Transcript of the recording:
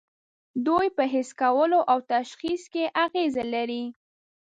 دوی په حس کولو او تشخیص کې اغیزه لري.